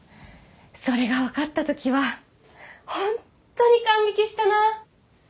それが分かったときはホンットに感激したな。